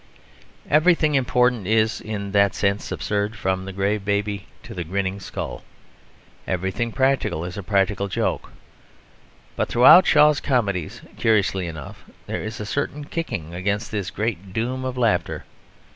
Everything important is in that sense absurd from the grave baby to the grinning skull; everything practical is a practical joke. But throughout Shaw's comedies, curiously enough, there is a certain kicking against this great doom of laughter.